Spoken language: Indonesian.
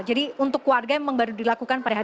jadi untuk keluarga memang baru dilakukan pada hari